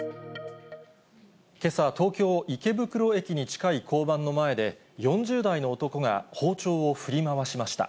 けさ、東京・池袋駅に近い交番の前で、４０代の男が包丁を振り回しました。